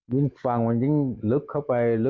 ยิ่งฟังยิ่งลึกเข้าไป